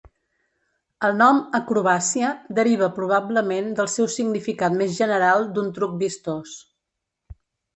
El nom "acrobàcia" deriva probablement del seu significat més general d'un truc vistós.